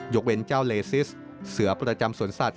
กเว้นเจ้าเลซิสเสือประจำสวนสัตว